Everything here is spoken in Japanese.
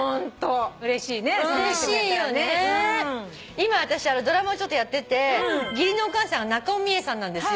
今私ドラマをやってて義理のお母さんが中尾ミエさんなんですよ。